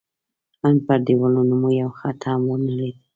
ان پر دېوالونو مو یو خط هم ونه لید.